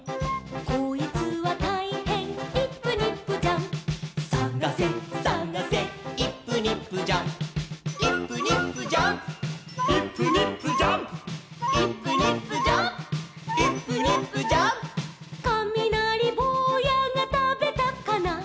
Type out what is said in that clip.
「こいつはたいへんイップニップジャンプ」「さがせさがせイップニップジャンプ」「イップニップジャンプイップニップジャンプ」「イップニップジャンプイップニップジャンプ」「かみなりぼうやがたべたかな」